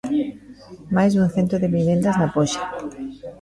Máis dun cento de vivendas na poxa.